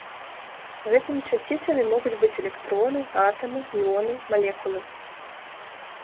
Гэтымі часціцамі могуць быць электроны, атамы, іоны, малекулы.